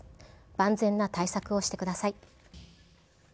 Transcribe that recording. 万全な対策をしてください。